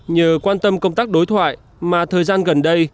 nhờ quan tâm công tác đối thoại mà thời gian gần đây